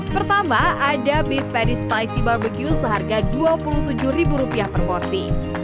pertama ada beef patty spicy barbecue seharga dua puluh tujuh ribu rupiah per porsi